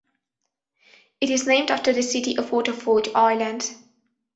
It is named after the city of Waterford, Ireland.